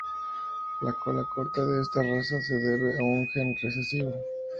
La cola corta de esta raza se debe a un gen recesivo.